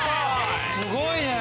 すごいね！